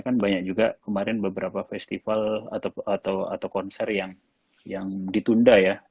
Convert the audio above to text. kan banyak juga kemarin beberapa festival atau konser yang ditunda ya